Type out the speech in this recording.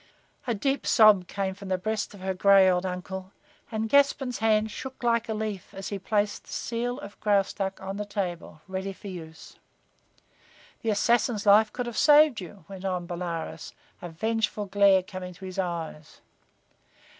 A deep sob came from the breast of her gray old uncle, and Gaspon's hand shook like a leaf as he placed the seal of Graustark on the table, ready for use. "The assassin's life could have saved you," went on Bolaroz, a vengeful glare coming to his eyes.